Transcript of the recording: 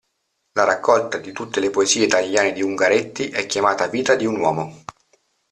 La raccolta di tutte le poesie italiane di Ungaretti è chiamata Vita di un uomo.